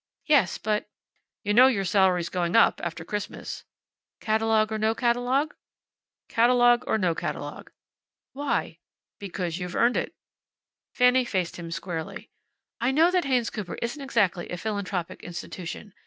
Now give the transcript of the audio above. "Yes, but " "You know your salary's going up, after Christmas." "Catalogue or no catalogue?" "Catalogue or no catalogue." "Why?" "Because you've earned it." Fanny faced him squarely. "I know that Haynes Cooper isn't exactly a philanthropic institution.